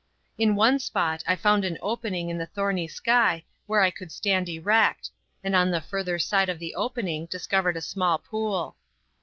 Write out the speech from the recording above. In one spot I found an opening in the thorny sky where I could stand erect, and on the further side of the opening discovered a small pool.